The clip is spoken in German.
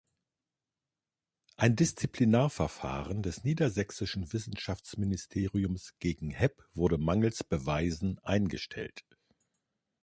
Ein Disziplinarverfahren des niedersächsischen Wissenschaftsministeriums gegen Hepp wurde mangels Beweisen eingestellt.